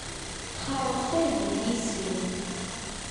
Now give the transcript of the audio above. Txerreq targit yis-i.